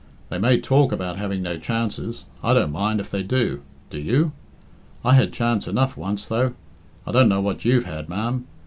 They may talk about having no chances I don't mind if they do do you? I had chance enough once, though I don't know what you've had, ma'am.